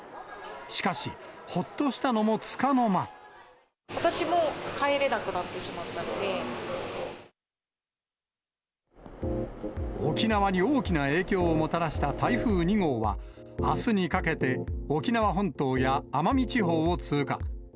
しかし、私も帰れなくなってしまった沖縄に大きな影響をもたらした台風２号は、あすにかけて、沖縄本島や奄美地方を通過。